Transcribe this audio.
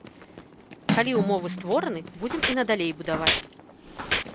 Калі ўмовы створаны, будзем і надалей будаваць.